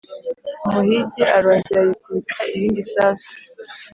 umuhigi arongera ayikubita irindi sasu.